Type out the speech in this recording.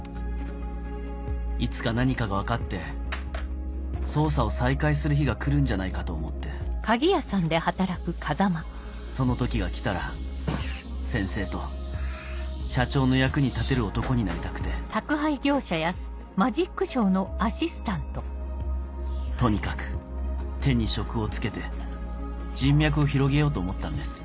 いつか何かが分かって捜査を再開する日が来るんじゃないかと思ってその時が来たら先生と社長の役に立てる男になりたくてとにかく手に職を付けて人脈を広げようと思ったんです